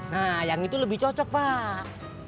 nah yang itu lebih cocok pak